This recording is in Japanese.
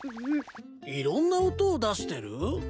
いろんな音を出してる？